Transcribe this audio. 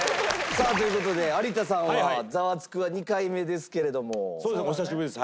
さあという事で有田さんは『ザワつく！』は２回目ですけれども。お久しぶりです。